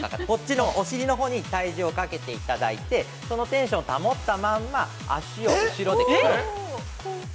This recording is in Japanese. こっちのお尻のほうに体重をかけていただいて、そのテンションを保ったまんま脚を後ろでクロス。